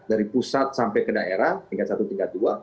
dari pusat sampai ke daerah tingkat satu tingkat dua